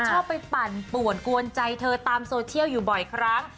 ชอบไปปั่นป่วนกวนใจเธอตามโซเชียลอยู่บ่อยครั้ง